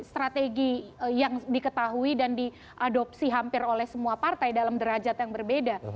strategi yang diketahui dan diadopsi hampir oleh semua partai dalam derajat yang berbeda